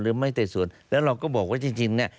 ไม่แต่ส่วนแล้วเราก็บอกว่าจริงเนี่ย